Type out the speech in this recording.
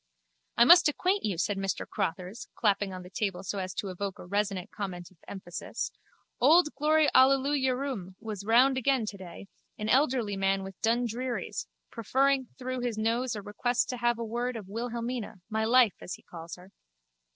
I must acquaint you, said Mr Crotthers, clapping on the table so as to evoke a resonant comment of emphasis, old Glory Allelujurum was round again today, an elderly man with dundrearies, preferring through his nose a request to have word of Wilhelmina, my life, as he calls her.